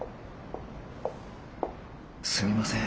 すみません。